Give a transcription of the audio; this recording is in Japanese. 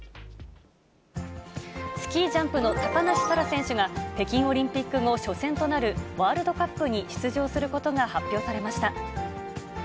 スキージャンプの高梨沙羅選手が、北京オリンピック後、初戦となるワールドカップに出場することが発表されました。